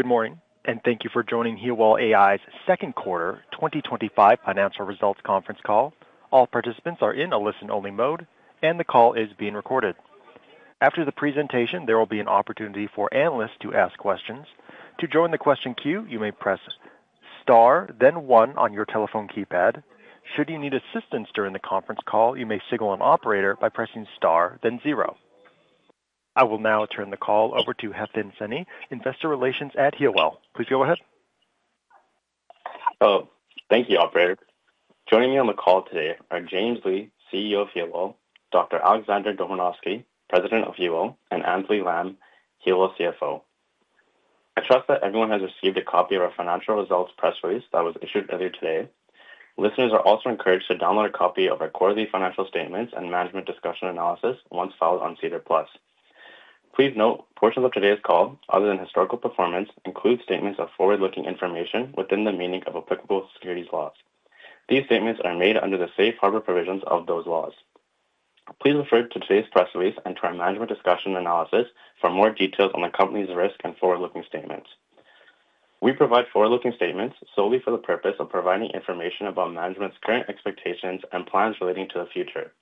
Good morning and thank you for joining Healwell AI's second quarter 2025 financial results conference call. All participants are in a listen-only mode, and the call is being recorded. After the presentation, there will be an opportunity for analysts to ask questions. To join the question queue, you may press * then 1 on your telephone keypad. Should you need assistance during the conference call, you may signal an operator by pressing * then zero. I will now turn the call over to Hefton Seni, Investor Relations at Healwell. Please go ahead. Thank you operator. Joining me on the call today are James Lee, CEO of Healwell AI, Dr. Alexander Dobranowski, President of Healwell, and Anthony Lam, Healwell CFO. I trust that everyone has received a copy of our financial results press release that was issued earlier today. Listeners are also encouraged to download a copy of our quarterly financial statements and management discussion and analysis once filed on SEDAR Plus. Please note portions of today's call, other than historical performance, include statements of forward-looking information within the meaning of applicable securities laws. These statements are made under the safe harbor provisions of those laws. Please refer to today's press release and our management discussion and analysis for more details on the company's risk and forward-looking statements. We provide forward-looking statements solely for the purpose of providing information about management's current expectations and plans relating to the future.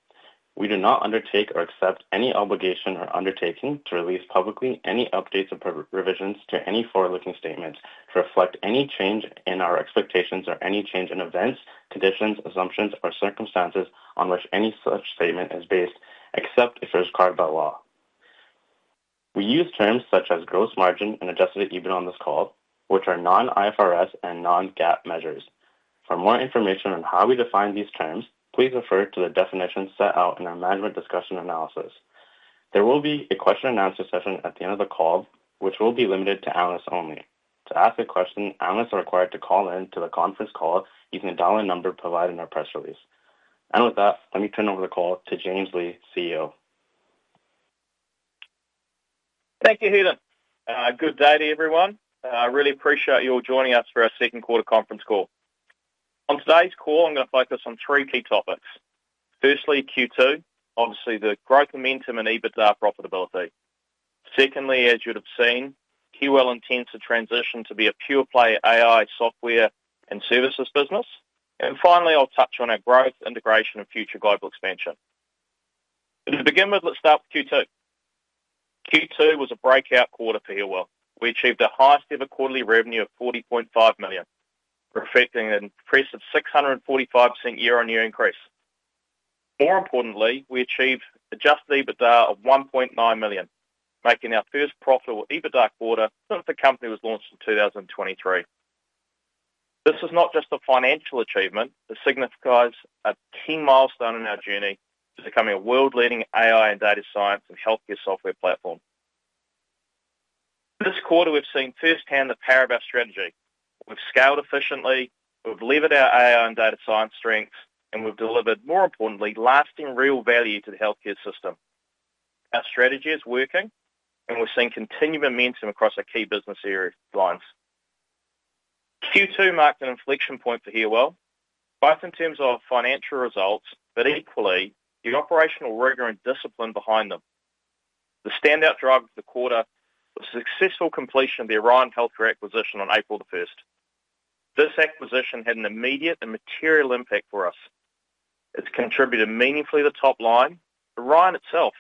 We do not undertake or accept any obligation or undertaking to release publicly any updates or revisions to any forward-looking statements to reflect any change in our expectations or any change in events, conditions, assumptions, or circumstances on which any such statement is based, except if it is required by law. We use terms such as gross margin and adjusted EBITDA on this call, which are non-IFRS and non-GAAP measures. For more information on how we define these terms, please refer to the definitions set out in our management discussion and analysis. There will be a question and answer session at the end of the call, which will be limited to analysts only. To ask a question, analysts are required to call in to the conference call using the dial-in number provided in our press release. With that, let me turn over the call to James Lee, CEO. Thank you Hefton. Good day to everyone. I really appreciate you all joining us for our second quarter conference call. On today's call, I'm going to focus on three key topics. Firstly, Q2, obviously the growth momentum and EBITDA profitability. Secondly, as you would have seen, Healwell intends to transition to be a pure play AI software and services business. Finally, I'll touch on our growth, integration, and future global expansion. To begin with, let's start with Q2. Q2 was a breakout quarter for Healwell. We achieved the highest ever quarterly revenue of $40.5 million, reflecting an impressive 645% year-on-year increase. More importantly, we achieved an adjusted EBITDA of $1.9 million, making our first profitable EBITDA quarter since the company was launched in 2023. This is not just a financial achievement, it signifies a key milestone in our journey to becoming a world-leading AI and data science and healthcare software platform. This quarter, we've seen firsthand the power of our strategy. We've scaled efficiently, we've levered our AI and data science strengths, and we've delivered more importantly, lasting real value to the healthcare system. Our strategy is working, and we're seeing continued momentum across our key business lines. Q2 marked an inflection point for Healwell, both in terms of financial results, but equally the operational rigor and discipline behind them. The standout driver for the quarter was the successful completion of the Orion Health acquisition on April 1. This acquisition had an immediate and material impact for us. It has contributed meaningfully to the top line. Orion Health itself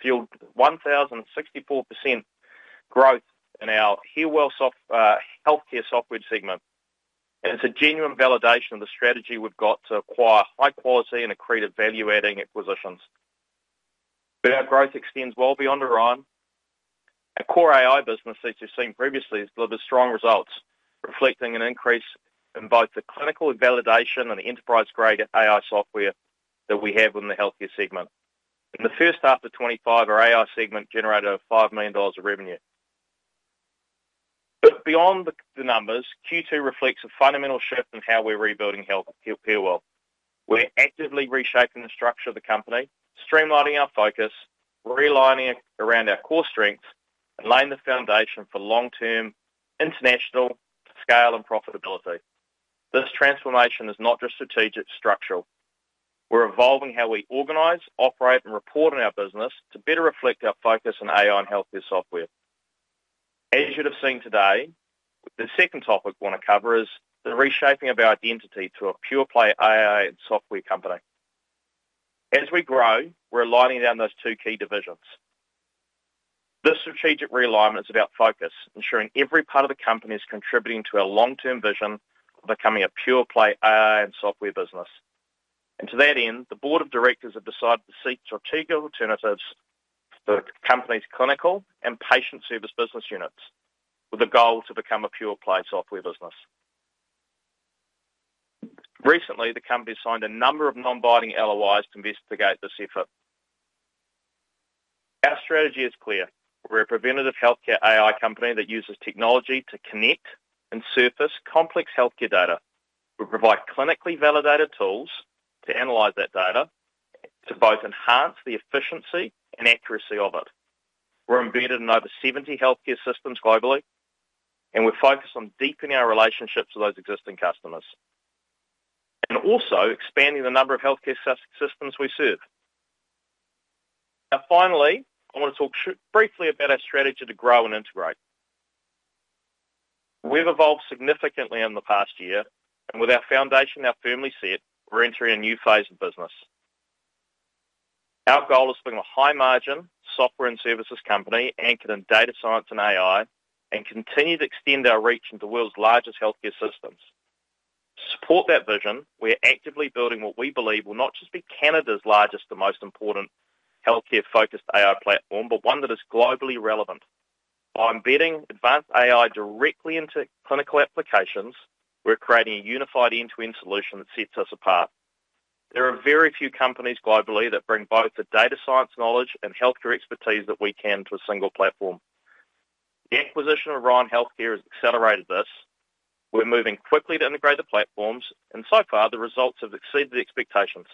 fueled 1,064% growth in our Healwell healthcare software segment. It is a genuine validation of the strategy we've got to acquire high-quality and accretive value-adding acquisitions. Our growth extends well beyond Orion. Our core AI business, as you've seen previously, has delivered strong results, reflecting an increase in both the clinical validation and enterprise-grade AI software that we have in the healthcare segment. In the first half of 2025, our AI segment generated over $5 million in revenue. Beyond the numbers, Q2 reflects a fundamental shift in how we're rebuilding Healwell AI. We're actively reshaping the structure of the company, streamlining our focus, realigning around our core strengths, and laying the foundation for long-term international scale and profitability. This transformation is not just strategic, it's structural. We're evolving how we organize, operate, and report in our business to better reflect our focus on AI and healthcare software. As you'd have seen today, the second topic I want to cover is the reshaping of our identity to a pure-play AI and software company. As we grow, we're aligning down those two key divisions. This strategic realignment is about focus, ensuring every part of the company is contributing to our long-term vision of becoming a pure-play AI and software business. To that end, the Board of Directors has decided to seek strategic alternatives for the company's clinical and patient service business units, with the goal to become a pure-play software business. Recently, the company has signed a number of non-binding LOIs to investigate this effort. Our strategy is clear. We're a preventative healthcare AI company that uses technology to connect and surface complex healthcare data. We provide clinically validated tools to analyze that data to both enhance the efficiency and accuracy of it. We're embedded in over 70 healthcare systems globally, and we focus on deepening our relationships with those existing customers and also expanding the number of healthcare systems we serve. Finally, I want to talk briefly about our strategy to grow and integrate. We've evolved significantly in the past year, and with our foundation now firmly set, we're entering a new phase of business. Our goal is to be a high-margin software and services company anchored in data science and AI, and continue to extend our reach into the world's largest healthcare systems. To support that vision, we're actively building what we believe will not just be Canada's largest and most important healthcare focused AI platform, but one that is globally relevant. By embedding advanced AI directly into clinical applications, we're creating a unified end-to-end solution that sets us apart. There are very few companies globally that bring both the data science knowledge and healthcare expertise that we can to a single platform. The acquisition of Orion Health has accelerated this. We're moving quickly to integrate the platforms, and so far, the results have exceeded expectations.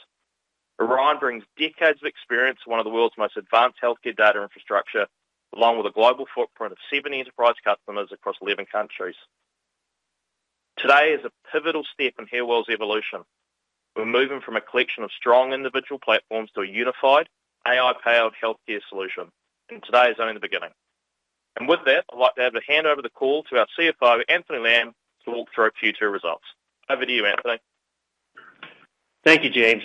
Orion brings decades of experience in one of the world's most advanced healthcare data infrastructure, along with a global footprint of 70 enterprise customers across 11 countries. Today is a pivotal step in Healwell AI's evolution. We're moving from a collection of strong individual platforms to a unified AI-powered healthcare solution. Today is only the beginning. With that, I'd like to hand over the call to our CFO, Anthony Lam, to walk through Q2 results. Over to you, Anthony. Thank you James.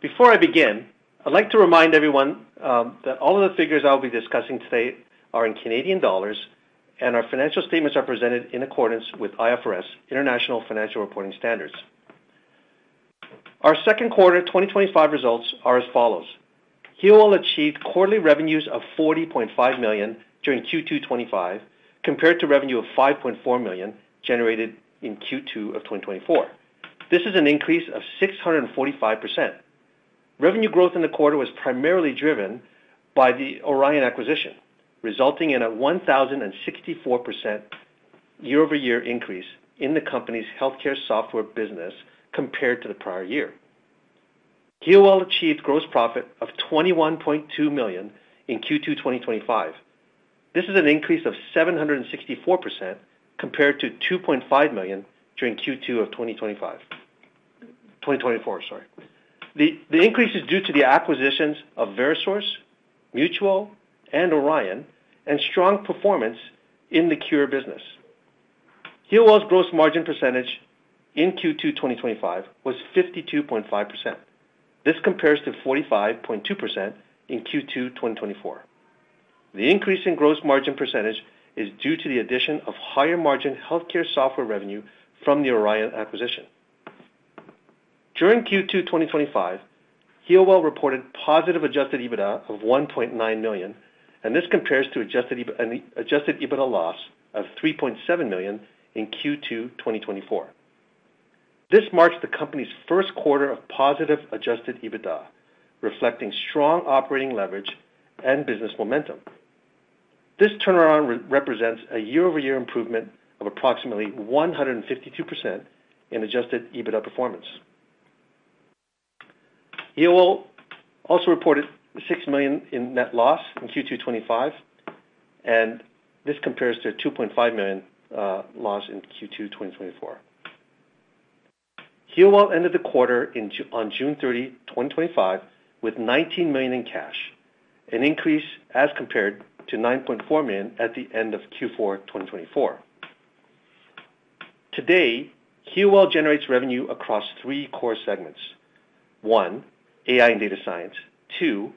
Before I begin, I'd like to remind everyone that all of the figures I'll be discussing today are in Canadian dollars, and our financial statements are presented in accordance with IFRS, International Financial Reporting Standards. Our second quarter 2025 results are as follows. Healwell achieved quarterly revenues of $40.5 million during Q2 2025, compared to revenue of $5.4 million generated in Q2 of 2024. This is an increase of 645%. Revenue growth in the quarter was primarily driven by the Orion Health acquisition, resulting in a 1,064% year-over-year increase in the company's healthcare software business compared to the prior year. Healwell achieved gross profit of $21.2 million in Q2 2025. This is an increase of 764% compared to $2.5 million during Q2 of 2024. The increase is due to the acquisitions of Verisource, Mutuo, and Orion, and strong performance in the Khure Health business. Healwell gross margin percentage in Q2 2025 was 52.5%. This compares to 45.2% in Q2 2024. The increase in gross margin percentage is due to the addition of higher margin healthcare software revenue from the Orion Health acquisition. During Q2 2025, Healwell reported positive adjusted EBITDA of $1.9 million, and this compares to adjusted EBITDA loss of $3.7 million in Q2 2024. This marks the company's first quarter of positive adjusted EBITDA, reflecting strong operating leverage and business momentum. This turn around represents a year-over-year improvement of approximately 152% in adjusted EBITDA performance. Healwell also reported $6 million in net loss in Q2 2025, and this compares to a $2.5 million loss in Q2 2024. Healwell ended the quarter on June 30, 2025, with $19 million in cash, an increase as compared to $9.4 million at the end of Q4 2024. Today, Healwell AI generates revenue across three core segments: one, AI and data science; two,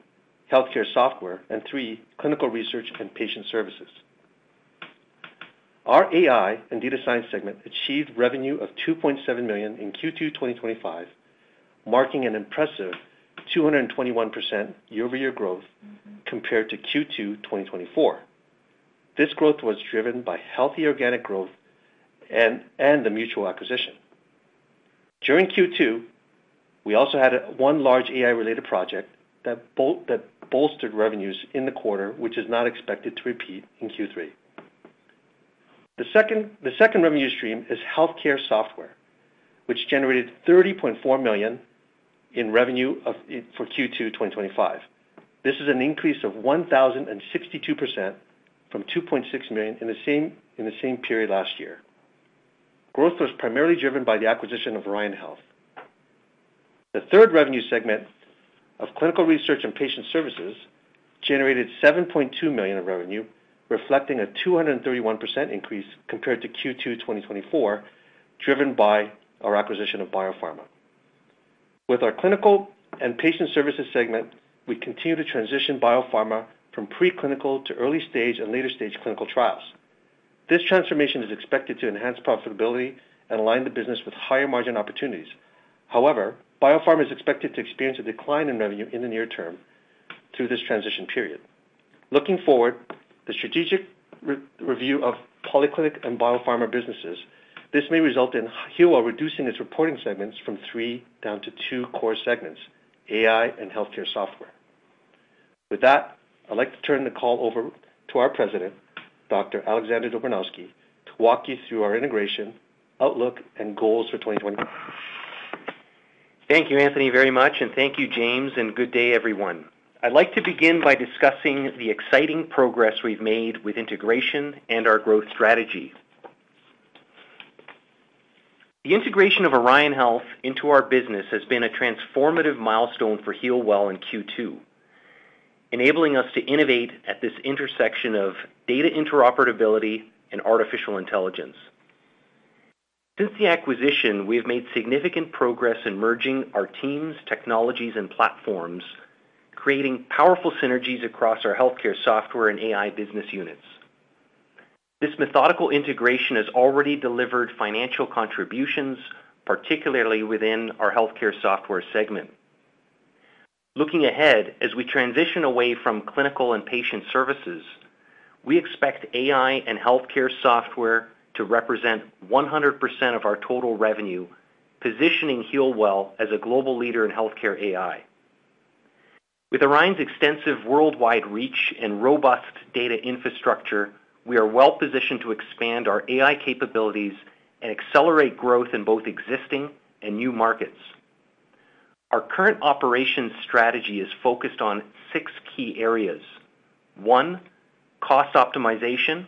healthcare software; and three, clinical research and patient services. Our AI and data science segment achieved revenue of $2.7 million in Q2 2025, marking an impressive 221% year-over-year growth compared to Q2 2024. This growth was driven by healthy organic growth and the Mutuo acquisition. During Q2, we also had one large AI-related project that bolstered revenues in the quarter, which is not expected to repeat in Q3. The second revenue stream is healthcare software, which generated $30.4 million in revenue for Q2 2025. This is an increase of 1,062% from $2.6 million in the same period last year. Growth was primarily driven by the acquisition of Orion Health. The third revenue segment of clinical research and patient services generated $7.2 million in revenue, reflecting a 231% increase compared to Q2 2024, driven by our acquisition of BioPharma. With our clinical and patient services segment, we continue to transition BioPharma from preclinical to early-stage and later-stage clinical trials. This transformation is expected to enhance profitability and align the business with higher margin opportunities. However, BioPharma is expected to experience a decline in revenue in the near term through this transition period. Looking forward, the strategic review of polyclinic and BioPharma businesses, this may result in Healwell reducing its reporting segments from three down to two core segments: AI, and healthcare software. With that, I'd like to turn the call over to our President, Dr. Alexander Dobranowski, to walk you through our integration, outlook, and goals for 2024. Thank you Anthony, very much. and thank you James, and good day everyone. I'd like to begin by discussing the exciting progress we've made with integration and our growth strategy. The integration of Orion Health into our business has been a transformative milestone for Healwell in Q2, enabling us to innovate at this intersection of data interoperability and artificial intelligence. Since the acquisition, we've made significant progress in merging our teams, technologies, and platforms, creating powerful synergies across our healthcare software and AI business units. This methodical integration has already delivered financial contributions, particularly within our healthcare software segment. Looking ahead, as we transition away from clinical and patient services, we expect AI and healthcare software to represent 100% of our total revenue, positioning Healwell as a global leader in healthcare AI. With Orion's extensive worldwide reach and robust data infrastructure, we are well positioned to expand our AI capabilities and accelerate growth in both existing and new markets. Our current operations strategy is focused on six key areas. One, cost optimization.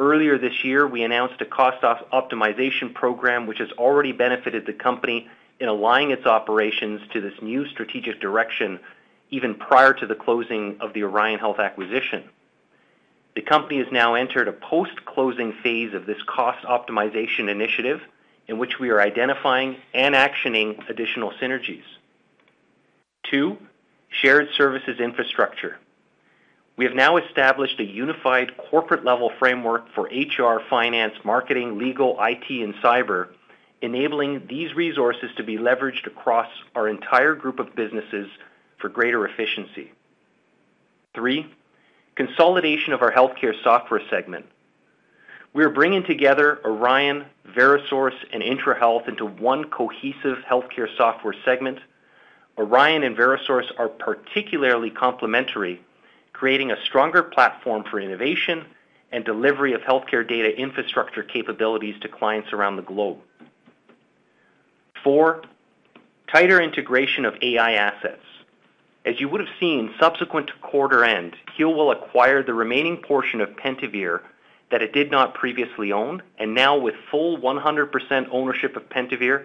Earlier this year, we announced a cost optimization program, which has already benefited the company in aligning its operations to this new strategic direction, even prior to the closing of the Orion Health acquisition. The company has now entered a post-closing phase of this cost optimization initiative, in which we are identifying and actioning additional synergies. Two, shared services infrastructure. We have now established a unified corporate-level framework for HR finance, marketing, legal, IT, and cyber, enabling these resources to be leveraged across our entire group of businesses for greater efficiency. Three, consolidation of our healthcare software segment. We are bringing together Orion Health, Verisource, and Intra-Health into one cohesive healthcare software segment. Orion and Verisource are particularly complementary, creating a stronger platform for innovation and delivery of healthcare data infrastructure capabilities to clients around the globe. Four, tighter integration of AI assets. As you would have seen, subsequent to quarter end, Healwell acquired the remaining portion of Pentavere that it did not previously own, and now with full 100% ownership of Pentavere,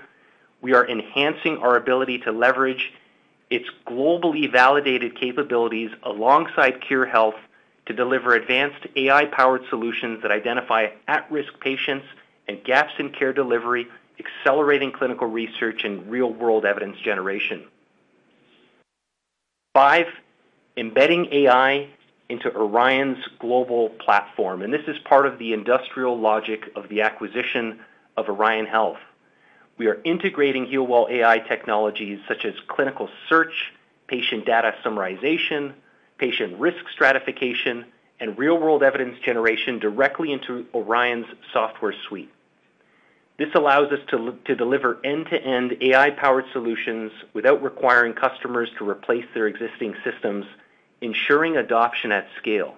we are enhancing our ability to leverage its globally validated capabilities alongside Khure Health to deliver advanced AI-powered solutions that identify at-risk patients and gaps in care delivery, accelerating clinical research and real-world evidence generation. Five, embedding AI into Orion’s global platform, and this is part of the industrial logic of the acquisition of Orion Health. We are integrating Healwell AI technologies such as clinical search, patient data summarization, patient risk stratification, and real-world evidence generation directly into Orion’s software suite. This allows us to deliver end-to-end AI-powered solutions without requiring customers to replace their existing systems, ensuring adoption at scale.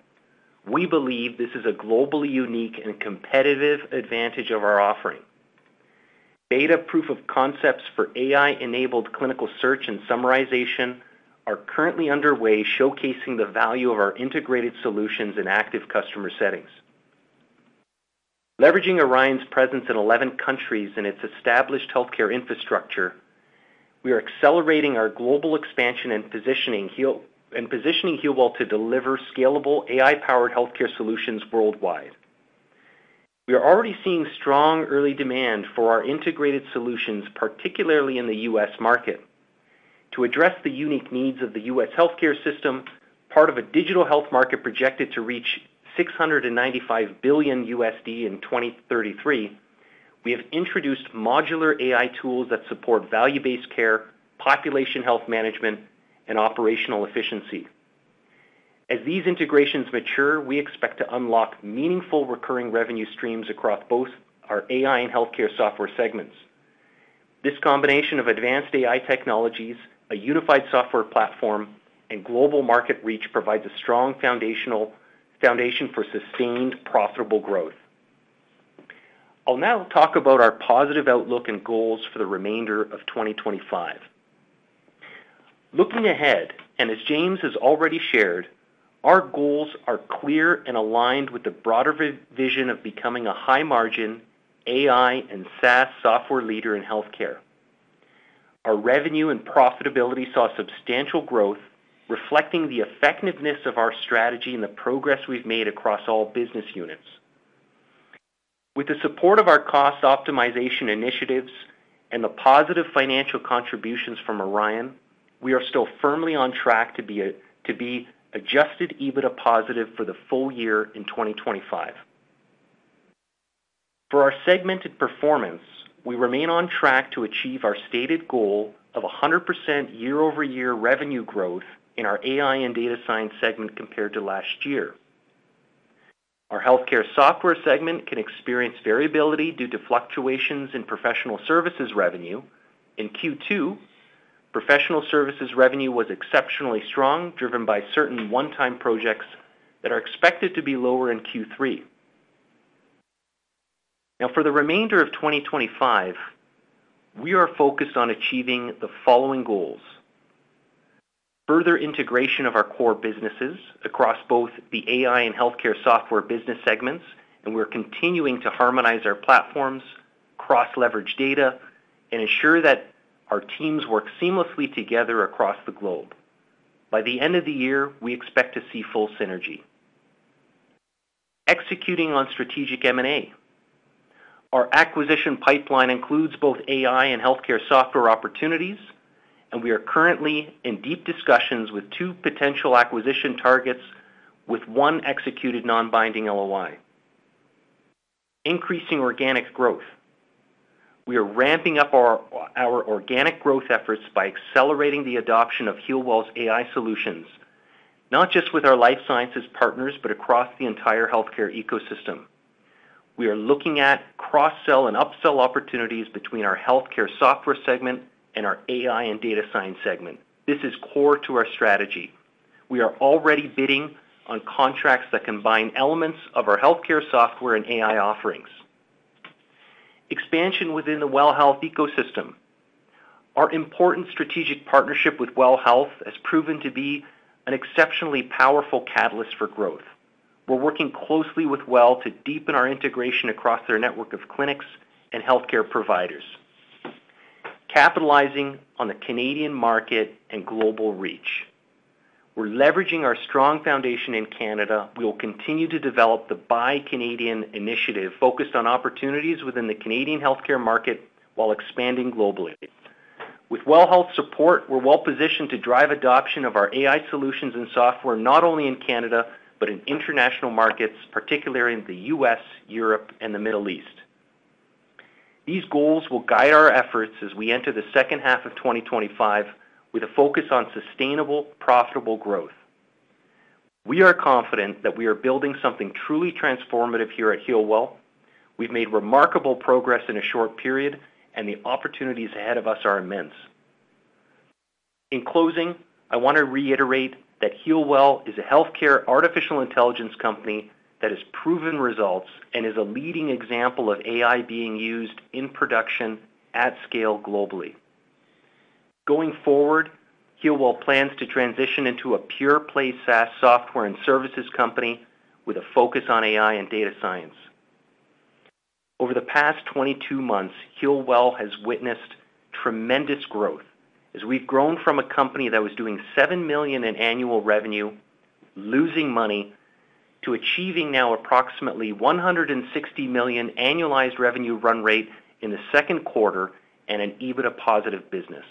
We believe this is a globally unique and competitive advantage of our offering. Beta proof of concepts for AI-enabled clinical search and summarization are currently underway, showcasing the value of our integrated solutions in active customer settings. Leveraging Orion Health’s presence in 11 countries and its established healthcare infrastructure, we are accelerating our global expansion and positioning Healwell to deliver scalable AI-powered healthcare solutions worldwide. We are already seeing strong early demand for our integrated solutions, particularly in the U.S market. To address the unique needs of the U.S. healthcare system, part of a digital health market projected to reach $695 billion in 2033, we have introduced modular AI tools that support value-based care, population health management, and operational efficiency. As these integrations mature, we expect to unlock meaningful recurring revenue streams across both our AI and healthcare software segments. This combination of advanced AI technologies, a unified software platform, and global market reach provides a strong foundation for sustained profitable growth. I'll now talk about our positive outlook and goals for the remainder of 2025. Looking ahead, and as James has already shared, our goals are clear and aligned with the broader vision of becoming a high-margin AI and SaaS software leader in healthcare. Our revenue and profitability saw substantial growth, reflecting the effectiveness of our strategy and the progress we've made across all business units. With the support of our cost optimization initiatives and the positive financial contributions from Orion, we are still firmly on track to be adjusted EBITDA positive for the full year in 2025. For our segmented performance, we remain on track to achieve our stated goal of 100% year-over-year revenue growth in our AI and data science segment compared to last year. Our healthcare software segment can experience variability due to fluctuations in professional services revenue. In Q2, professional services revenue was exceptionally strong, driven by certain one-time projects that are expected to be lower in Q3. For the remainder of 2025, we are focused on achieving the following goals: further integration of our core businesses across both the AI and healthcare software business segments, and we're continuing to harmonize our platforms, cross-leverage data, and ensure that our teams work seamlessly together across the globe. By the end of the year, we expect to see full synergy. Executing on strategic M&A. Our acquisition pipeline includes both AI and healthcare software opportunities, and we are currently in deep discussions with two potential acquisition targets with one executed non-binding LOI. Increasing organic growth. We are ramping up our organic growth efforts by accelerating the adoption of Healwell AI's solutions. Not just with our life sciences partners, but across the entire healthcare ecosystem. We are looking at cross-sell and upsell opportunities between our healthcare software segment and our AI and data science segment. This is core to our strategy. We are already bidding on contracts that combine elements of our healthcare software and AI offerings. Expansion within the WELL Health ecosystem. Our important strategic partnership with WELL Health has proven to be an exceptionally powerful catalyst for growth. We're working closely with WELL to deepen our integration across their network of clinics and healthcare providers, capitalizing on the Canadian market and global reach. We're leveraging our strong foundation in Canada. We will continue to develop the Buy Canadian initiative, focused on opportunities within the Canadian healthcare market while expanding globally. With WELL Health's support, we're well positioned to drive adoption of our AI solutions and software not only in Canada, but in international markets, particularly in the U.S., Europe, and the Middle East. These goals will guide our efforts as we enter the second half of 2025 with a focus on sustainable, profitable growth. We are confident that we are building something truly transformative here at Healwell. We've made remarkable progress in a short period, and the opportunities ahead of us are immense. In closing, I want to reiterate that Healwell AI is a healthcare artificial intelligence company that has proven results and is a leading example of AI being used in production at scale globally. Going forward, Healwell plans to transition into a pure-play SaaS software and services company with a focus on AI and data science. Over the past 22 months, Healwell AI has witnessed tremendous growth as we've grown from a company that was doing $7 million in annual revenue, losing money, to achieving now approximately $160 million annualized revenue run rate in the second quarter and an EBITDA positive business.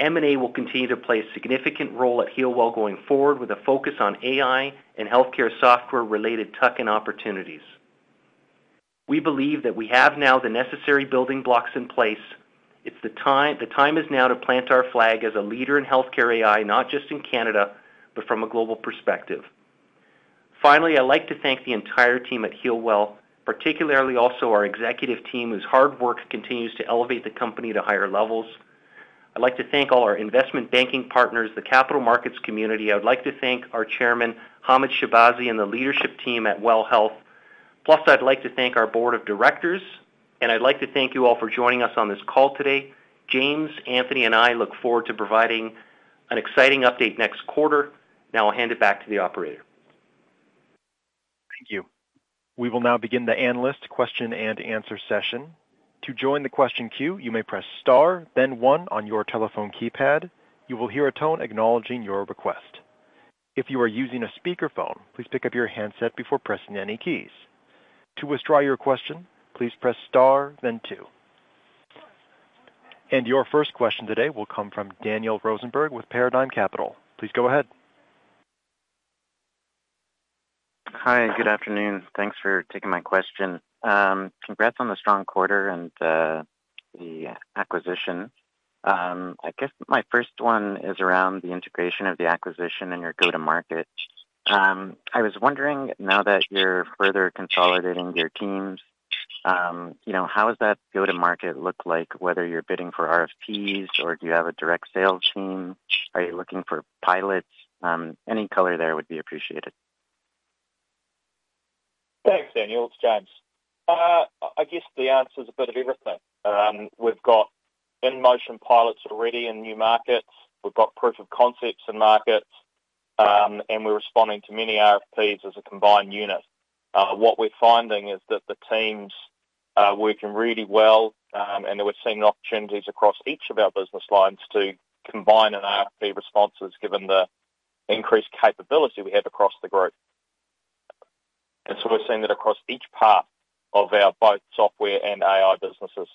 M&A will continue to play a significant role at Healwell AI going forward with a focus on AI and healthcare software-related tech and opportunities. We believe that we have now the necessary building blocks in place. The time is now to plant our flag as a leader in healthcare AI, not just in Canada, but from a global perspective. Finally, I'd like to thank the entire team at Healwell AI, particularly also our executive team whose hard work continues to elevate the company to higher levels. I'd like to thank all our investment banking partners, the capital markets community. I would like to thank our Chairman, Hamid Shabazi, and the leadership team at WELL Health. Plus, I'd like to thank our board of directors, and I'd like to thank you all for joining us on this call today. James, Anthony, and I look forward to providing an exciting update next quarter. Now I'll hand it back to the operator. Thank you. We will now begin the analyst question and answer session. To join the question queue, you may press * then 1 on your telephone keypad. You will hear a tone acknowledging your request. If you are using a speakerphone, please pick up your handset before pressing any keys. To withdraw your question, please press * then 2. And your first question today will come from Daniel Rosenberg with Paradigm Capital. Please go ahead. Hi, good afternoon. Thanks for taking my question. Congrats on the strong quarter and the acquisition. I guess my first one is around the integration of the acquisition and your go-to-market. I was wondering, now that you're further consolidating your teams, how does that go to market look like, whether you're bidding for RFPs or do you have a direct sales team? Are you looking for pilots? Any color there would be appreciated. Thanks Daniel, it's James. I guess the answer is a bit of everything. We've got in-motion pilots already in new markets. We've got proof of concepts in markets, and we're responding to many RFPs as a combined unit. What we're finding is that the teams are working really well, and we're seeing opportunities across each of our business lines to combine in RFP responses given the increased capability we have across the group. We're seeing that across each part of our both software and AI businesses.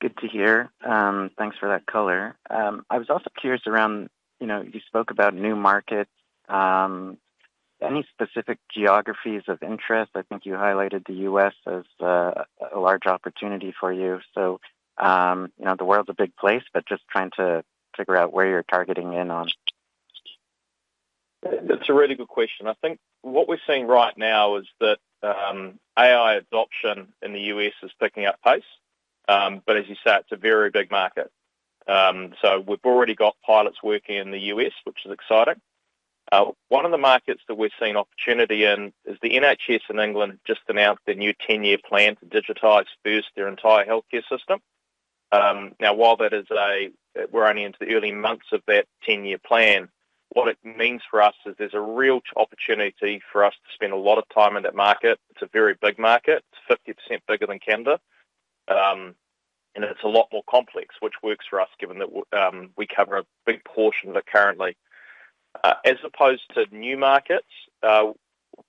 Good to hear. Thanks for that color. I was also curious around, you spoke about new market. Any specific geographies of interest? I think you highlighted the U.S. as a large opportunity for you. The world's a big place, but just trying to figure out where you're targeting in on. That's a really good question. I think what we're seeing right now is that AI adoption in the U.S. is picking up pace. As you say, it's a very big market. We've already got pilots working in the U.S., which is exciting. One of the markets that we're seeing opportunity in is the NHS in England, which just announced their new 10-year plan to digitize first their entire healthcare system. We are only into the early months of that 10-year plan, what it means for us is there's a real opportunity for us to spend a lot of time in that market. It's a very big market. It's 50% bigger than Canada, and it's a lot more complex, which works for us given that we cover a big portion of it currently. As opposed to new markets,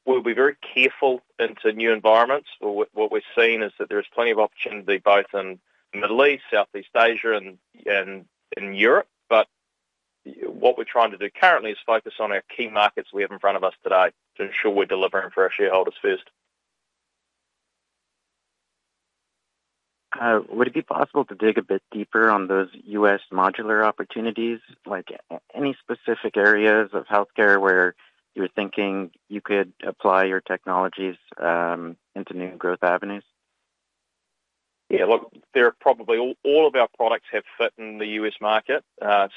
we'll be very careful into new environments. What we're seeing is that there's plenty of opportunity both in the Middle East, Southeast Asia, and in Europe. But what we're trying to do currently is focus on our key markets we have in front of us today to ensure we're delivering for our shareholders first. Would it be possible to dig a bit deeper on those U.S. modular opportunities? Like any specific areas of healthcare where you're thinking you could apply your technologies into new growth avenues? Yeah look. Probably all of our products have fit in the U.S. market.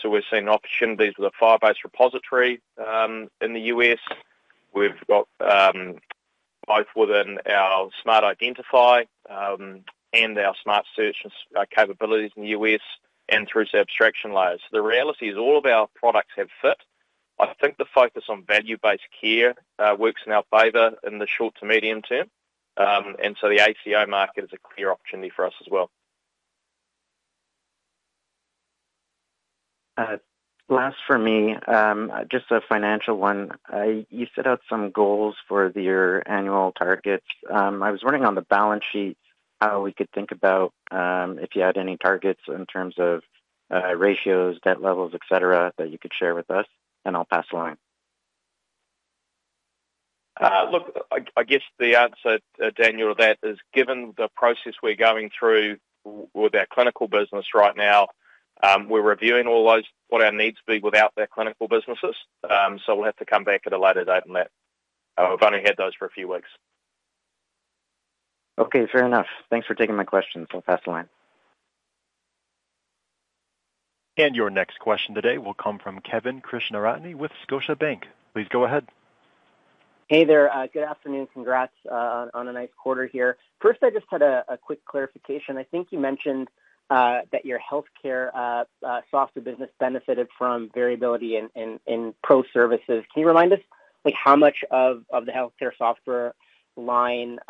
We're seeing opportunities with a FHIR-based repository in the U.S. We've got both within our smart identify and our smart search capabilities in the U.S. and through to abstraction layers. The reality is all of our products have fit. I think the focus on value-based care, works in our favor in the short to medium term. The ACO market is a clear opportunity for us as well. Last for me, just a financial one. You set out some goals for your annual targets. I was wondering on the balance sheet how we could think about if you had any targets in terms of ratios, debt levels, etcetera, that you could share with us, and I'll pass along? I guess the answer Daniel there, is given the process we're going through with our clinical business right now. We're reviewing all those, what our needs would be without their clinical businesses. We'll have to come back at a later date on that. We've only had those for a few weeks. Okay, fair enough. Thanks for taking my questions. I'll pass along. Your next question today will come from Kevin Krishnaratne with Scotiabank. Please go ahead. Hey there. Good afternoon. Congrats on a nice quarter here. First, I just had a quick clarification. I think you mentioned that your healthcare software business benefited from variability in pro-services. Can you remind us how much of the healthcare software line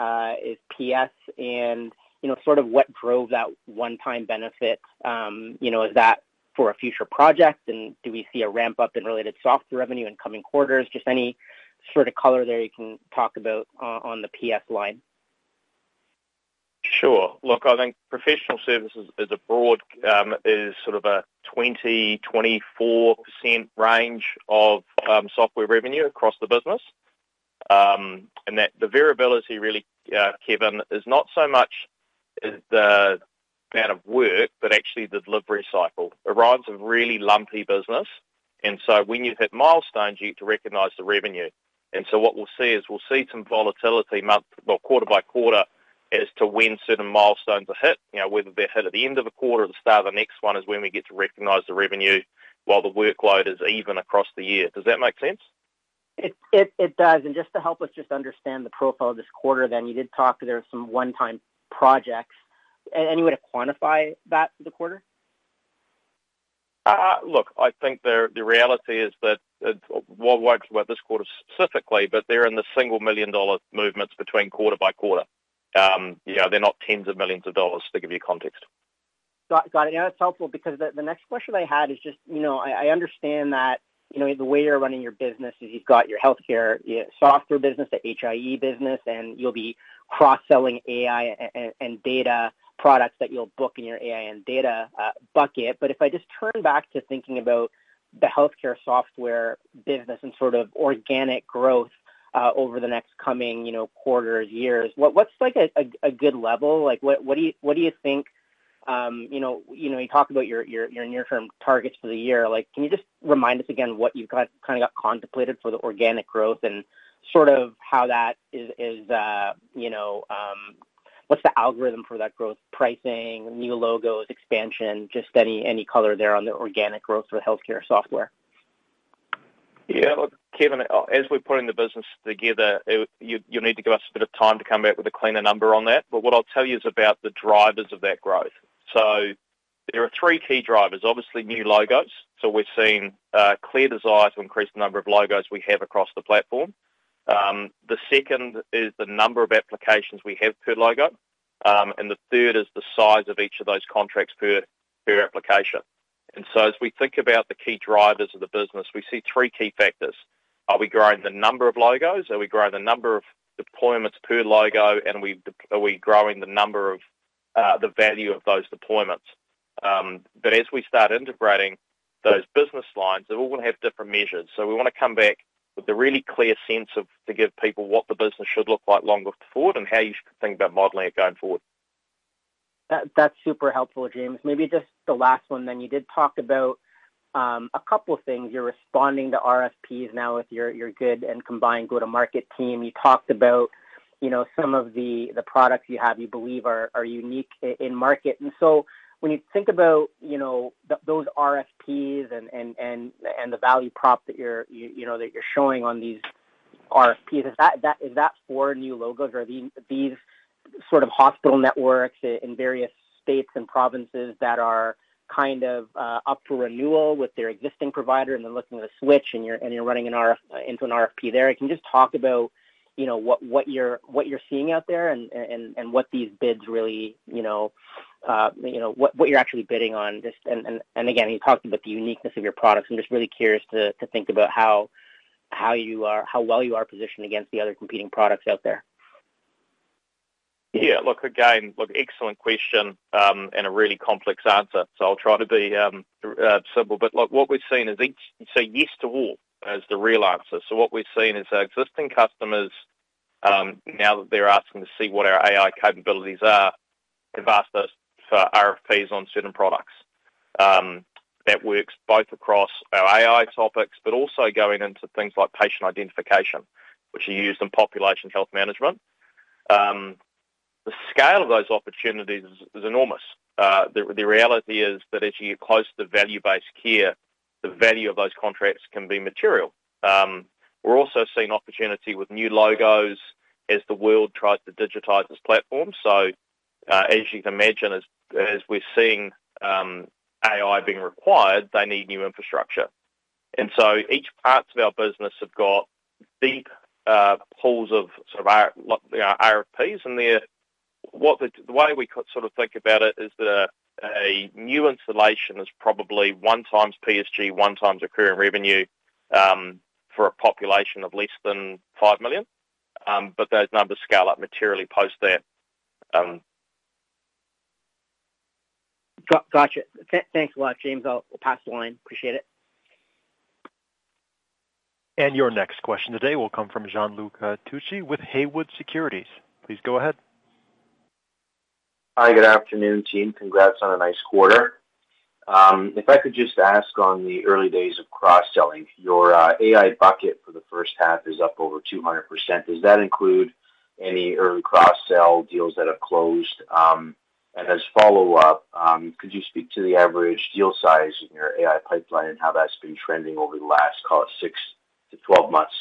is PS and what drove that one-time benefit? Is that for a future project and do we see a ramp-up in related software revenue in coming quarters? Does any sort of color there you can talk about on the PS line. Sure. Look, I think professional services as a broad is sort of a 20%, 24% range of software revenue across the business. The variability really Kevin, is not so much the amount of work, but actually the delivery cycle. Orion is a really lumpy business. When you hit milestones, you get to recognize the revenue. What we'll see is we'll see some volatility quarter by quarter as to when certain milestones are hit. Whether they're hit at the end of a quarter or the start of the next one is when we get to recognize the revenue while the workload is even across the year. Does that make sense? It does. Just to help us understand the profile of this quarter, you did talk there are some one-time projects. Any way to quantify that for the quarter? I think the reality is that what works about this quarter specifically, but they're in the single million dollar movements between quarter by quarter. They're not tens of millions of dollars to give you context. Got it. Now that's helpful because the next question I had is just, you know, I understand that, you know the way you're running your business is you've got your healthcare software business, the HIE business, and you'll be cross-selling AI and data products that you'll book in your AI and data bucket. But if I just turn back to thinking about the healthcare software business and sort of organic growth over the next coming, you know, quarter years. What's like a good level? What do you think, you know, you talked about your near-term targets for the year. Can you just remind us again what you've kind of got contemplated for the organic growth and sort of how that is, you know, what's the algorithm for that growth? Pricing, new logos, expansion, just any color there on the organic growth for the healthcare software? Yeah, look Kevin, as we're putting the business together, you'll need to give us a bit of time to come out with a cleaner number on that. But what I'll tell you is about the drivers of that growth. There are three key drivers. Obviously, new logos. We're seeing a clear desire to increase the number of logos we have across the platform. The second is the number of applications we have per logo. The third is the size of each of those contracts per application. As we think about the key drivers of the business, we see three key factors. Are we growing the number of logos? Are we growing the number of deployments per logo? Are we growing the value of those deployments? But as we start integrating those business lines, they're all going to have different measures. So we want to come back with a really clear sense to give people what the business should look like longer forward and how you should think about modeling it going forward. That's super helpful, James. Maybe just the last one, then. You did talk about a couple of things. You're responding to RFPs now with your good and combined go-to-market team. You talked about, you know, some of the products you have, you believe are unique in market. When you think about, you know, those RFPs and the value prop that you're, you know, that you're showing on these RFPs, is that for new logos or are these sort of hospital networks in various states and provinces that are kind of up for renewal with their existing provider and they're looking to switch and you're running into an RFP there? Can you just talk about, you know, what you're seeing out there and what these bids really, you know, what you're actually bidding on? Just, and again, you talked about the uniqueness of your products. I'm just really curious to think about how you are, how well you are positioned against the other competing products out there. Yeah, look again. Excellent question and a really complex answer. I'll try to be simple. What we've seen is each, you say yes to all is the real answer. What we've seen is our existing customers, now that they're asking to see what our AI capabilities are, have asked us for RFPs on certain products. That works both across our AI topics, but also going into things like patient identification, which are used in population health management. The scale of those opportunities is enormous. The reality is that as you get close to value-based care, the value of those contracts can be material. We're also seeing opportunity with new logos as the world tries to digitize its platform. So as you can imagine, as we're seeing AI being required, they need new infrastructure. And so each part of our business has got deep pools of sort of RFPs. The way we sort of think about it is that a new installation is probably one times PSG, one times recurring revenue for a population of less than 5 million. Those numbers scale up materially post that. Gotcha. Thanks a lot James. I'll pass the line. Appreciate it. Your next question today will come from Gianluca Tucci with Haywood Securities. Please go ahead. Hi, good afternoon team. Congrats on a nice quarter. If I could just ask on the early days of cross-selling, your AI bucket for the first half is up over 200%. Does that include any early cross-sell deals that have closed? As a follow-up, could you speak to the average deal size in your AI pipeline and how that's been trending over the last, call it 6-12 months?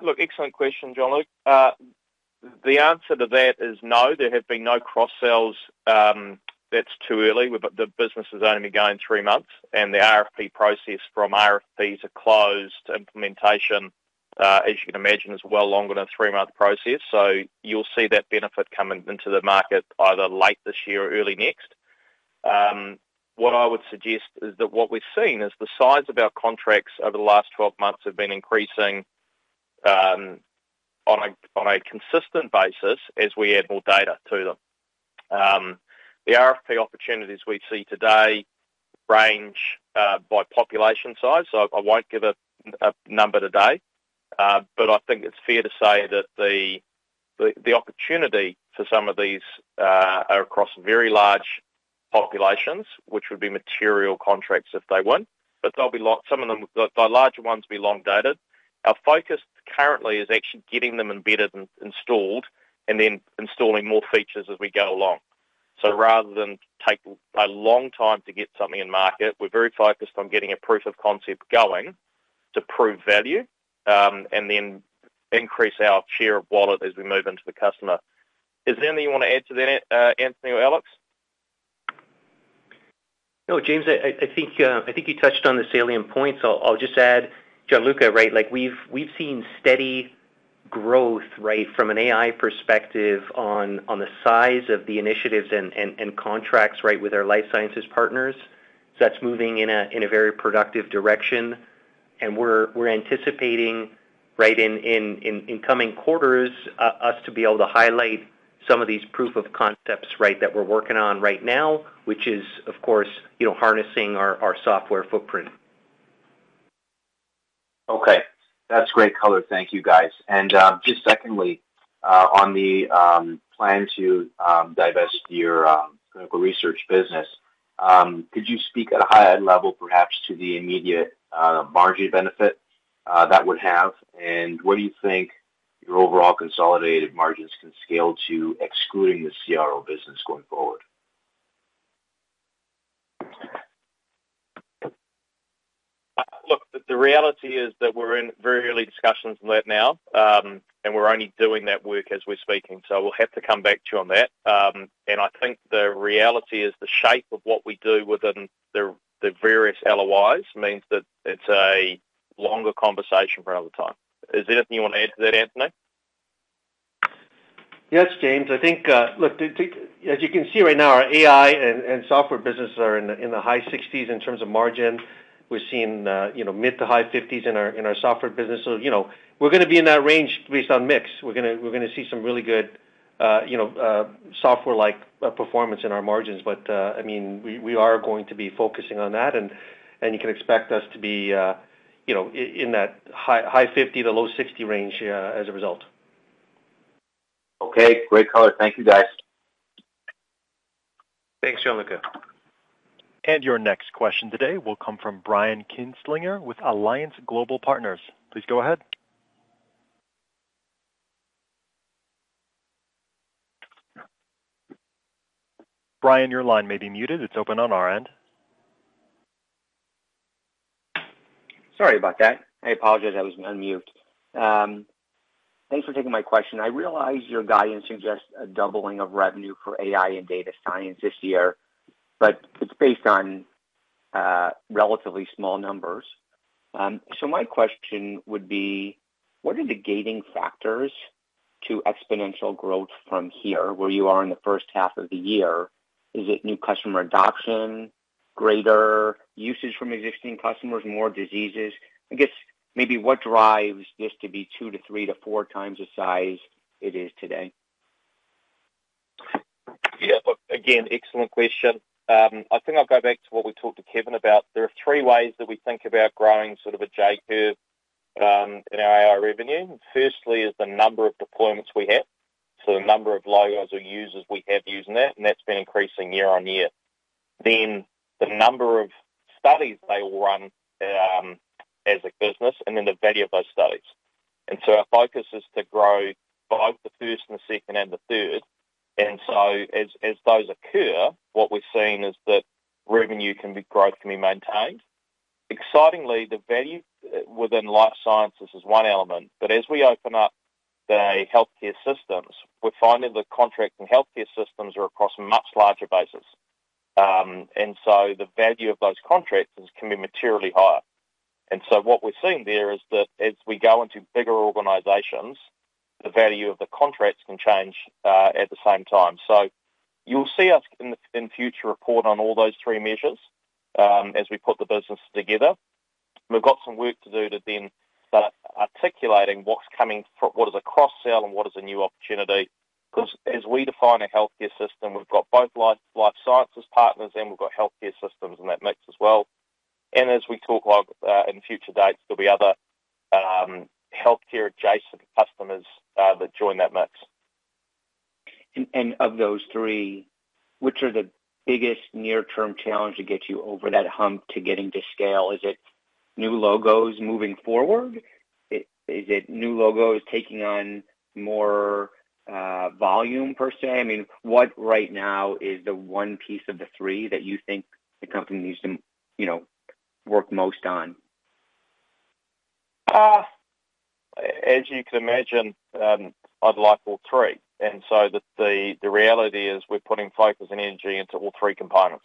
Look, excellent question Gianluca. The answer to that is no. There have been no cross-sells. That's too early. The business has only been going three months, and the RFP process from RFPs are closed to implementation, as you can imagine, it's well longer than a three-month process. So you'll see that benefit coming into the market either late this year or early next. What I would suggest is that what we've seen is the size of our contracts over the last 12 months have been increasing on a consistent basis as we add more data to them. The RFP opportunities we see today range by population size. I won't give a number today, but I think it's fair to say that the opportunity for some of these are across very large populations, which would be material contracts if they won. There'll be lots of them. The larger ones will be long-dated. Our focus currently is actually getting them embedded and installed and then installing more features as we go along. Rather than take a long time to get something in market, we're very focused on getting a proof of concept going to prove value and then increase our share of wallet as we move into the customer. Is there anything you want to add to that, Anthony or Alex? No James, I think you touched on the salient points. I'll just add, Gianluca, right? We've seen steady growth from an AI perspective on the size of the initiatives and contracts with our life sciences partners. That's moving in a very productive direction. We're anticipating in coming quarters, us to be able to highlight some of these proof of concepts that we're working on right now, which is, of course, you know harnessing our software footprint. Okay, that's great color. Thank you guys. Just secondly, on the plan to divest your clinical research business, could you speak at a higher level, perhaps, to the immediate margin benefit that would have? Where do you think your overall consolidated margins can scale to excluding the CRO business going forward? Look, the reality is that we're in very early discussions on that now, and we're only doing that work as we're speaking. So we'll have to come back to you on that. I think the reality is the shape of what we do within the various LOIs means that it's a longer conversation for another time. Is there anything you want to add to that Anthony? Yes James. I think, look, as you can see right now, our AI and software businesses are in the high 60% in terms of margins. We're seeing mid to high 50% in our software business. So you know, we're going to be in that range, based on mix. We're going to see some really good, you know, software-like performance in our margins. But I mean, we are going to be focusing on that. And you can expect us to be in that high 50% to low 60% range as a result. Okay, great color. Thank you guys. Thanks Gianluca. Your next question today will come from Brian Kinstlinger with Alliance Global Partners. Please go ahead. Brian, your line may be muted. It's open on our end. Sorry about that. I apologize. I was on mute. Thanks for taking my question. I realize your guidance suggests a doubling of revenue for AI and data science this year, but it's based on relatively small numbers. My question would be, what are the gating factors to exponential growth from here where you are in the first half of the year? Is it new customer adoption, greater usage from existing customers, more diseases? I guess maybe what drives this to be two to three to four times the size it is today? Yeah again, excellent question. I think I'll go back to what we talked to Kevin about. There are three ways that we think about growing sort of a J curve in our AI revenue. Firstly is the number of deployments we have, so the number of logos or users we have using that, and that's been increasing year on year. The number of studies they all run as a business, and then the value of those studies. Our focus is to grow both the first and the second and the third. And so as those occur, what we're seeing is that revenue growth can be maintained. Excitingly, the value within life sciences is one element, but as we open up the healthcare systems, we're finding the contracting healthcare systems are across a much larger basis. And so the value of those contracts can be materially higher. And so what we're seeing there is that as we go into bigger organizations, the value of the contracts can change at the same time. So You'll see us in the future report on all those three measures as we put the business together. We've got some work to do to then start articulating what's coming, what is a cross-sell and what is a new opportunity. As we define a healthcare system, we've got both life sciences partners and we've got healthcare systems in that mix as well. As we talk in the future date, there'll be other healthcare adjacent customers that join that mix. Of those three, which are the biggest near-term challenge to get you over that hump to getting to scale? Is it new logos moving forward? Is it new logos taking on more volume per se? What right now is the one piece of the three that you think the company needs to work most on? As you can imagine, I'd like all three. The reality is we're putting focus and energy into all three components.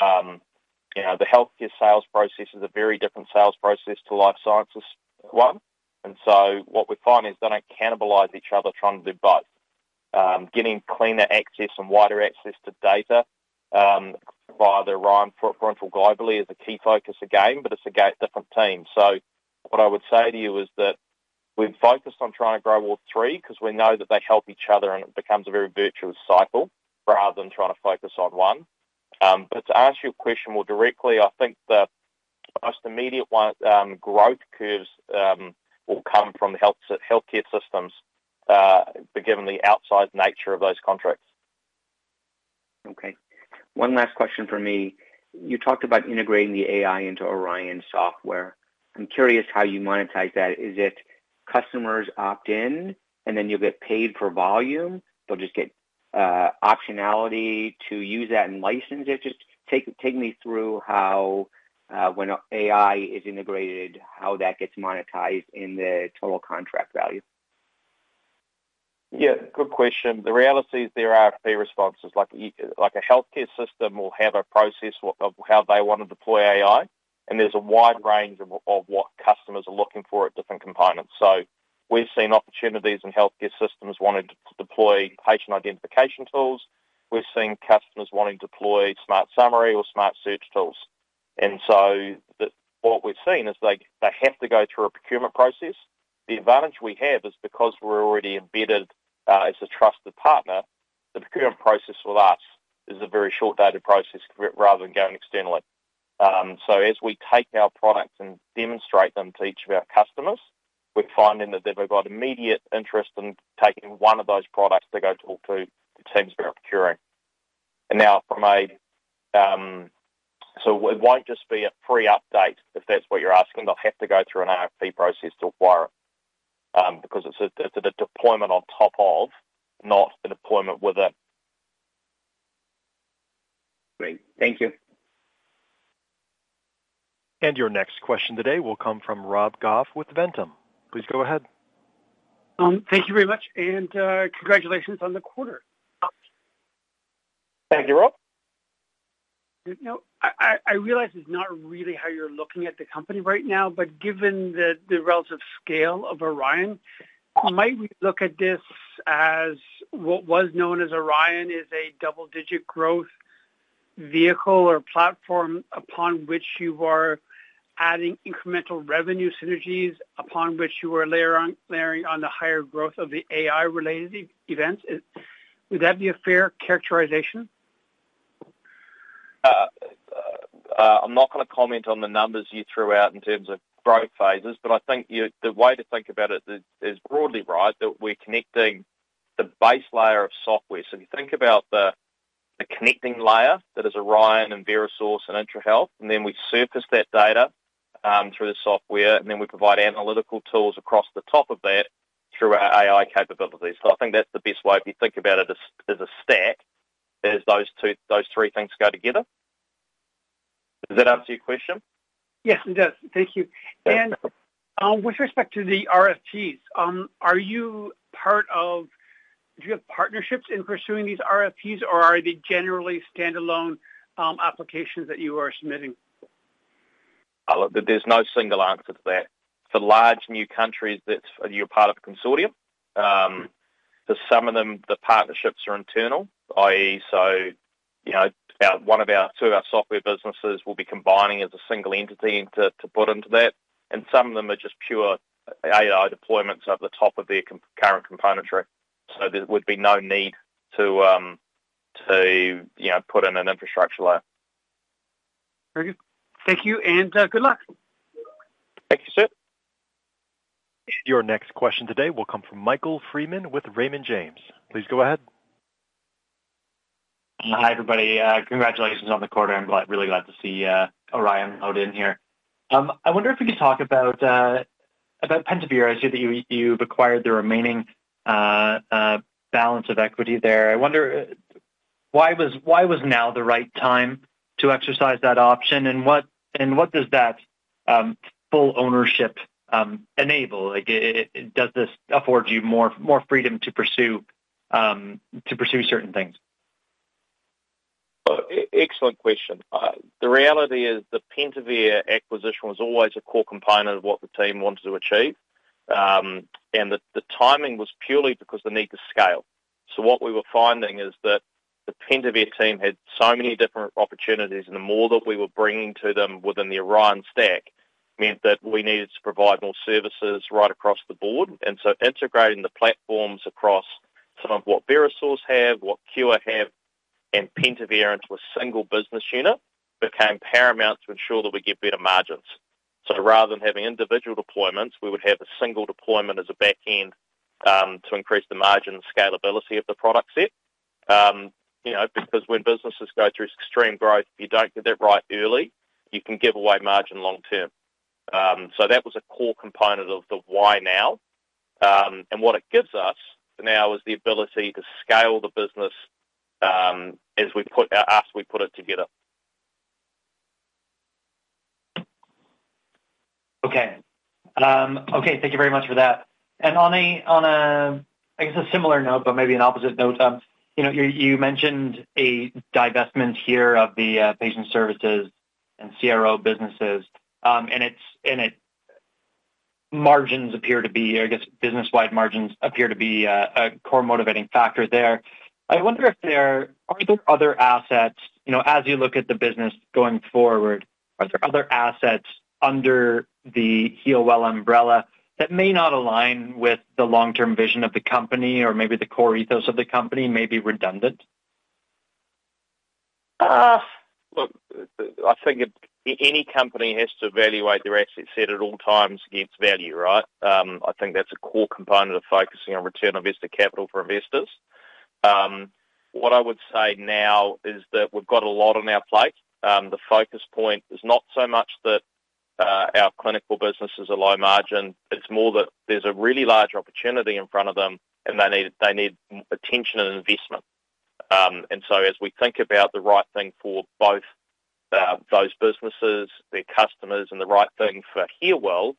You know, the healthcare sales process is a very different sales process to the life sciences one. What we find is they don't cannibalize each other trying to do both. Getting cleaner access and wider access to data via the Orion Health portfolio globally is a key focus again, but it's a different team. What I would say to you is that we've focused on trying to grow all three because we know that they help each other and it becomes a very virtuous cycle rather than trying to focus on one. To answer your question more directly, I think the most immediate growth curves will come from the healthcare systems, but given the outside nature of those contracts. Okay. One last question from me. You talked about integrating the AI into Orion Health software. I'm curious how you monetize that. Is it customers opt in and then you get paid for volume? They'll just get optionality to use that and license it? Just take me through how when AI is integrated, how that gets monetized in the total contract value. Yeah, good question. The reality is there are a few responses. Like a healthcare system will have a process of how they want to deploy AI. There's a wide range of what customers are looking for at different components. We've seen opportunities in healthcare systems wanting to deploy patient identification tools. We're seeing customers wanting to deploy smart summary or smart search tools. And so what we're seeing is they have to go through a procurement process. The advantage we have is because we're already embedded as a trusted partner, the procurement process with us is a very short-dated process rather than going externally. So as we take our products and demonstrate them to each of our customers, we're finding that they've got immediate interest in taking one of those products to go talk to the teams who are procuring. Now, from a. It won't just be a free update if that's what you're asking. They'll have to go through an RFP process to acquire it because it's a deployment on top of, not a deployment with it. Great. Thank you. Your next question today will come from Rob Goff with Ventum. Please go ahead. Thank you very much, and congratulations on the quarter. Thank you Rob. I realize it's not really how you're looking at the company right now, but given the relative scale of Orion Health, might we look at this as what was known as Orion Health is a double-digit growth vehicle or platform upon which you are adding incremental revenue synergies, upon which you are layering on the higher growth of the AI-related events? Would that be a fair characterization? I'm not going to comment on the numbers you threw out in terms of growth phases, but I think the way to think about it is broadly right that we're connecting the base layer of software. You think about the connecting layer that is Orion Health and Verisource and IntraHealth, and then we surface that data through the software, and then we provide analytical tools across the top of that through our AI capabilities. I think that's the best way if you think about it as a stack, as those three things go together. Does that answer your question? Yes, it does. Thank you. Dan, with respect to the RFPs, are you part of, do you have partnerships in pursuing these RFPs, or are they generally standalone applications that you are submitting? There's no single answer to that. For large new countries, you're part of a consortium. For some of them, the partnerships are internal, i.e., one of our two software businesses will be combining as a single entity to put into that. Some of them are just pure AI deployments over the top of their current componentry. There would be no need to put in an infrastructure layer. Very good. Thank you, and good luck. Thank you, sir. Your next question today will come from Michael Freeman with Raymond James. Please go ahead. Hi, everybody. Congratulations on the quarter. I'm really glad to see Orion hold in here. I wonder if we could talk about Pentavere. I see that you've acquired the remaining balance of equity there. I wonder why was now the right time to exercise that option? What does that full ownership enable? Does this afford you more freedom to pursue certain things? Excellent question. The reality is the Pentavere acquisition was always a core component of what the team wanted to achieve. The timing was purely because of the need to scale. What we were finding is that the Pentavere team had so many different opportunities, and the more that we were bringing to them within the Orion stack meant that we needed to provide more services right across the board. Integrating the platforms across some of what Verisource have, what Khure have, and Pentavere into a single business unit became paramount to ensure that we get better margins. Rather than having individual deployments, we would have a single deployment as a backend to increase the margin and scalability of the product set. You know, because when businesses go through extreme growth, you don't get that right early. You can give away margin long term. That was a core component of the why now. What it gives us now is the ability to scale the business as we put it together. Okay, thank you very much for that. On a, I guess, a similar note, but maybe an opposite note, you mentioned a divestment here of the patient services and CRO businesses. Its margins appear to be, I guess, business-wide margins appear to be a core motivating factor there. I wonder if there, are there other assets, you know, as you look at the business going forward, are there other assets under the Healwell AI umbrella that may not align with the long-term vision of the company or maybe the core ethos of the company, maybe redundant? Look, I think any company has to evaluate their asset set at all times against value, right? I think that's a core component of focusing on return on invested capital for investors. What I would say now is that we've got a lot on our plate. The focus point is not so much that our clinical businesses are low margin. It's more that there's a really large opportunity in front of them, and they need attention and investment. As we think about the right thing for both those businesses, their customers, and the right thing for Healwell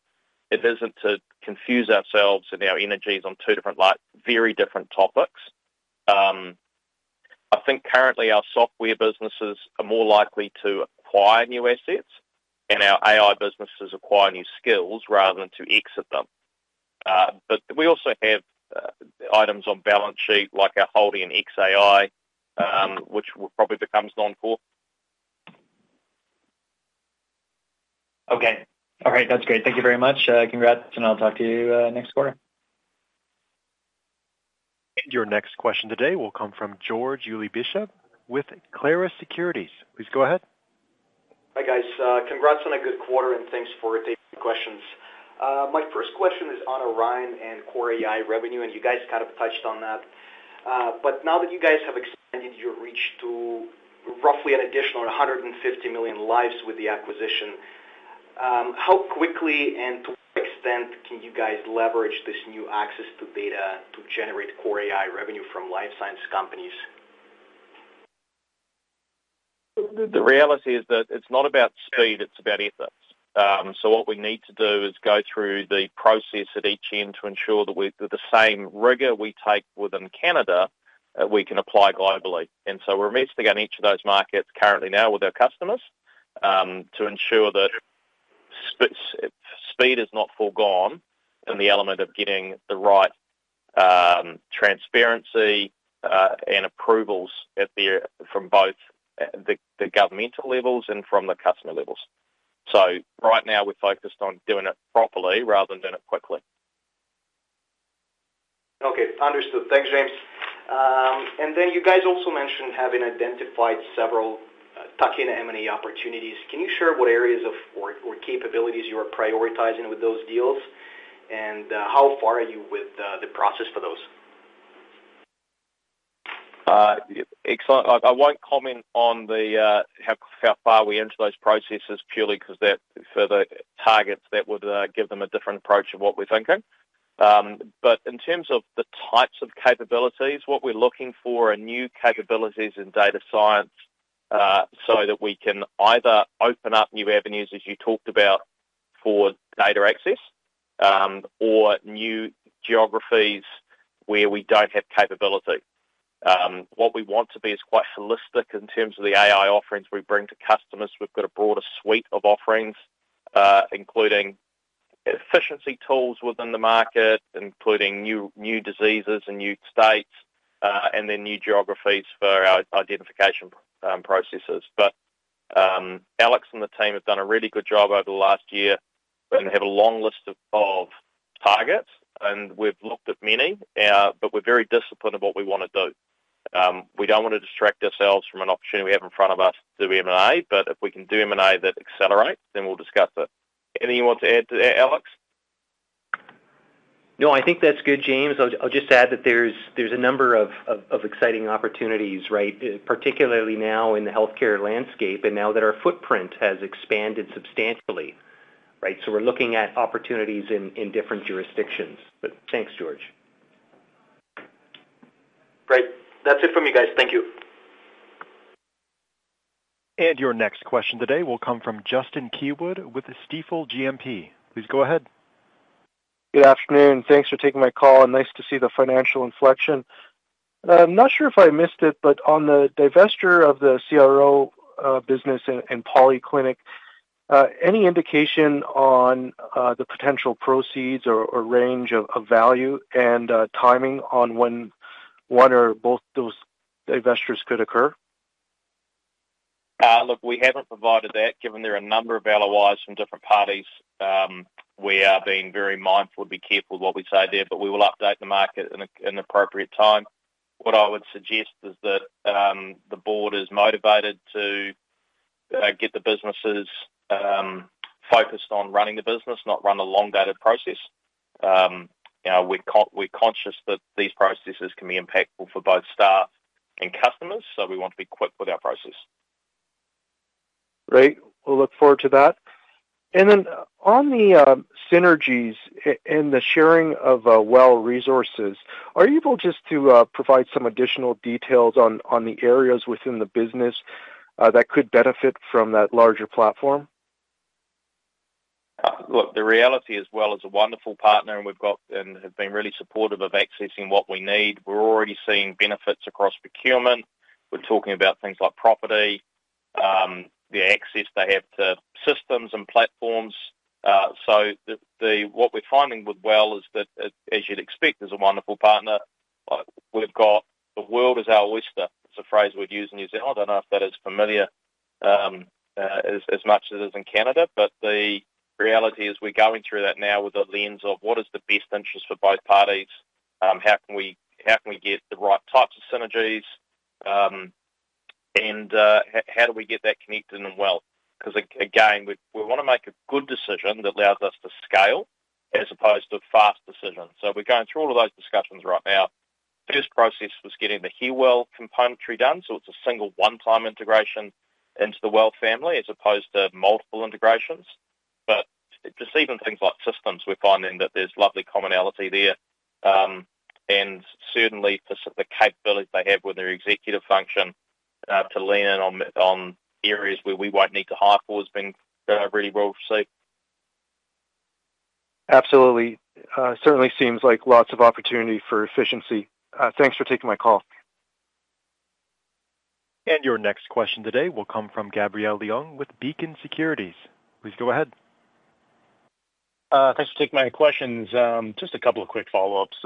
AI, it isn't to confuse ourselves and our energies on two different, very different topics. I think currently our software businesses are more likely to acquire new assets, and our AI businesses acquire new skills rather than to exit them. We also have items on balance sheet like our hold in xAI, which will probably become non-core. All right, that's great. Thank you very much. Congrats, and I'll talk to you next quarter. Your next question today will come from George Ulybyshev with Clarus Securities. Please go ahead. Hi guys, congrats on a good quarter and thanks for taking questions. My first question is on Orion and core AI revenue, and you guys kind of touched on that. Now that you guys have expanded your reach to roughly an additional 150 million lives with the acquisition, how quickly and to what extent can you guys leverage this new access to data to generate core AI revenue from life science companies? The reality is that it's not about speed, it's about ethics. What we need to do is go through the process at each end to ensure that with the same rigor we take within Canada, we can apply globally. We're investing in each of those markets currently now with our customers to ensure that speed is not foregone in the element of getting the right transparency and approvals from both the governmental levels and from the customer levels. Right now we're focused on doing it properly rather than doing it quickly. Okay, understood. Thanks, James. You guys also mentioned having identified several M&A opportunities. Can you share what areas of work or capabilities you are prioritizing with those deals? How far are you with the process for those? I won't comment on how far we enter those processes purely because they're further targets that would give them a different approach of what we're thinking. In terms of the types of capabilities, what we're looking for are new capabilities in data science so that we can either open up new avenues, as you talked about, for data access or new geographies where we don't have capability. What we want to be is quite holistic in terms of the AI offerings we bring to customers. We've got a broader suite of offerings, including efficiency tools within the market, including new diseases and new states, and new geographies for our identification processes. Alex and the team have done a really good job over the last year. We have a long list of targets, and we've looked at many, but we're very disciplined in what we want to do. We don't want to distract ourselves from an opportunity we have in front of us to do M&A, but if we can do M&A that accelerates, then we'll discuss it. Anything you want to add to that, Alex? No, I think that's good, James. I'll just add that there's a number of exciting opportunities, particularly now in the healthcare landscape, and now that our footprint has expanded substantially, right? We're looking at opportunities in different jurisdictions. Thanks, George. Great. That's it from you guys. Thank you. Your next question today will come from Justin Keywood with Stifel GMP. Please go ahead. Good afternoon. Thanks for taking my call. Nice to see the financial inflection. I'm not sure if I missed it, but on the divestiture of the CRO business and polyclinic, any indication on the potential proceeds or range of value and timing on when one or both those divestitures could occur? Look, we haven't provided that given there are a number of LOIs from different parties. We are being very mindful to be careful of what we say there, but we will update the market in an appropriate time. What I would suggest is that the board is motivated to get the businesses focused on running the business, not run a long-dated process. We're conscious that these processes can be impactful for both staff and customers, so we want to be quick with our process. Great. I look forward to that. On the synergies and the sharing of WELL resources, are you able to provide some additional details on the areas within the business that could benefit from that larger platform? Look, the reality is WELL is a wonderful partner, and we've got and have been really supportive of accessing what we need. We're already seeing benefits across procurement. We're talking about things like property, the access they have to systems and platforms. What we're finding with WELL is that, as you'd expect, is a wonderful partner. We've got the world is our oyster. It's a phrase we'd use in New Zealand. I don't know if that is familiar as much as it is in Canada, but the reality is we're going through that now with a lens of what is the best interest for both parties. How can we get the right types of synergies? How do we get that connected in WELL? Because, again, we want to make a good decision that allows us to scale as opposed to a fast decision. We're going through all of those discussions right now. The first process was getting the Healwell AI componentry done, so it's a single one-time integration into the WELL family as opposed to multiple integrations. Just even things like systems, we're finding that there's lovely commonality there. Certainly, the capability they have with their executive function to lean in on areas where we won't need to hire for has been really well received. Absolutely. Certainly seems like lots of opportunity for efficiency. Thanks for taking my call. Your next question today will come from Gabriel Leung with Beacon Securities. Please go ahead. Thanks for taking my questions. Just a couple of quick follow-ups.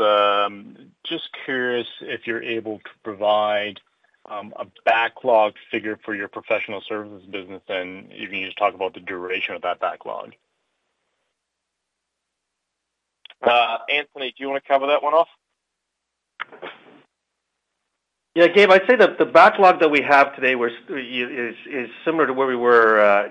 Just curious if you're able to provide a backlog figure for your professional services business, and if you can just talk about the duration of that backlog. Anthony, do you want to cover that one off? Yeah, Gabe, I'd say that the backlog that we have today is similar to where we were,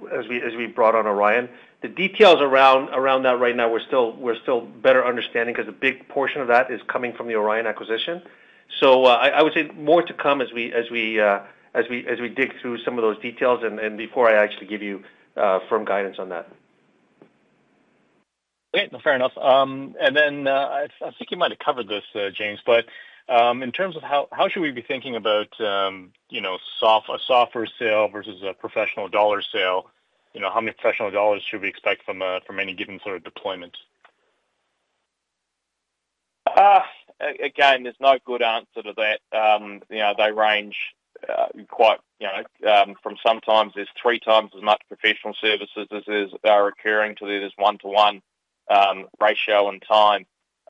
you know, as we brought on Orion Health. The details around that right now, we're still better understanding because a big portion of that is coming from the Orion Health acquisition. I would say more to come as we dig through some of those details and before I actually give you firm guidance on that. Okay, fair enough. I think you might have covered this, James, but in terms of how should we be thinking about, you know, a software sale versus a professional dollar sale? You know, how many professional dollars should we expect from any given sort of deployment? Again, there's no good answer to that. They range quite, you know, from sometimes there's three times as much professional services as there are occurring to there's a one-to-one ratio in time.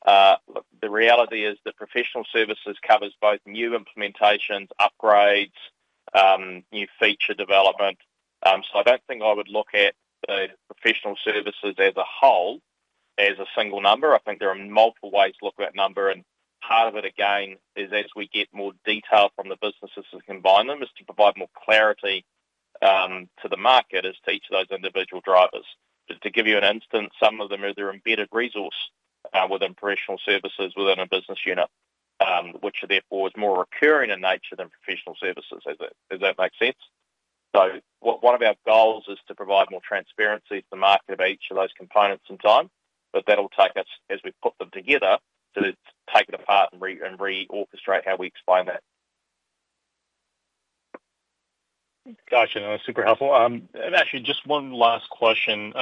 The reality is the professional services covers both new implementations, upgrades, new feature development. I don't think I would look at the professional services as a whole, as a single number. I think there are multiple ways to look at that number. Part of it, again, is as we get more detail from the businesses to combine them, to provide more clarity to the market as to each of those individual drivers. To give you an instance, some of them are their embedded resource within professional services within a business unit, which therefore is more recurring in nature than professional services, if that makes sense. So one of their goals is to provide more transparency to the market of each of those components in time, but that'll take us, as we put them together, to take it apart and re-orchestrate how we explain that. Gotcha. That was super helpful. Actually, just one last question.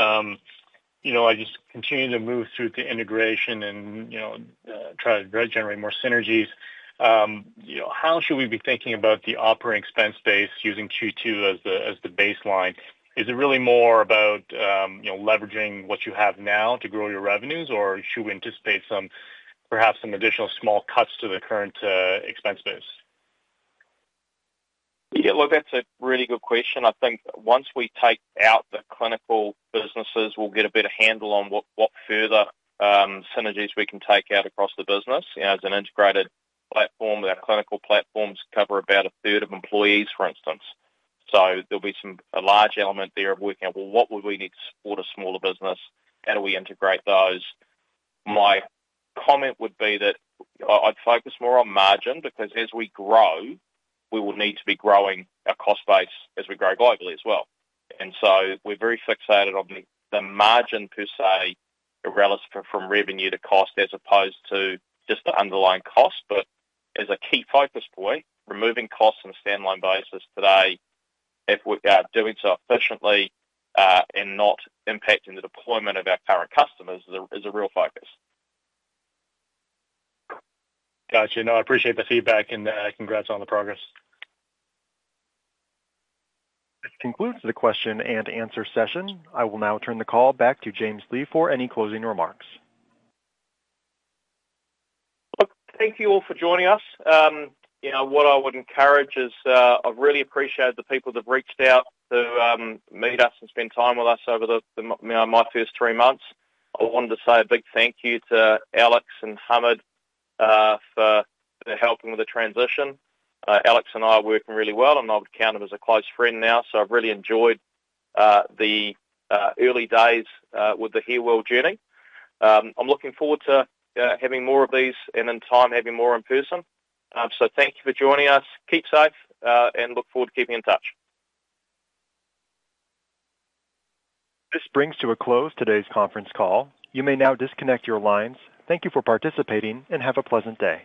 I just continue to move through the integration and try to generate more synergies. How should we be thinking about the operating expense base using Q2 as the baseline? Is it really more about leveraging what you have now to grow your revenues, or should we anticipate perhaps some additional small cuts to the current expense base? Yeah, look, that's a really good question. I think once we take out the clinical businesses, we'll get a better handle on what further synergies we can take out across the business. As an integrated platform, our clinical platforms cover about a third of employees, for instance. There'll be a large element there of working out what we would need to support a smaller business. How do we integrate those? My comment would be that I'd focus more on margin because as we grow, we will need to be growing our cost base as we grow globally as well. We're very fixated on the margin per se relative from revenue to cost as opposed to just the underlying cost. As a key focus point, removing costs on a standalone basis today, if we're doing so efficiently and not impacting the deployment of our current customers, is a real focus. Gotcha. No, I appreciate the feedback, and congrats on the progress. This concludes the question and answer session. I will now turn the call back to James Lee for any closing remarks. Thank you all for joining us. You know what I would encourage is, I really appreciate the people that have reached out to meet us and spend time with us over my first three months. I wanted to say a big thank you to Alex and Hamid for helping with the transition. Alex and I are working really well, and I would count him as a close friend now. So I've really enjoyed the early days with the Healwell journey. I'm looking forward to having more of these and in time having more in person. Thank you for joining us. Keep safe and look forward to keeping in touch. This brings to a close today's conference call. You may now disconnect your lines. Thank you for participating and have a pleasant day.